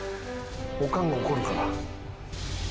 おかんが怒るから。